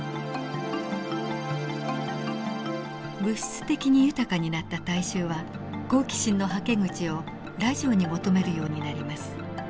物質的に豊かになった大衆は好奇心のはけ口をラジオに求めるようになります。